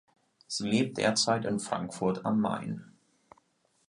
Sie lebt derzeit in Frankfurt am Main.